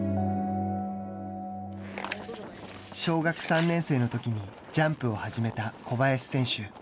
小学３年生のときにジャンプを始めた小林選手。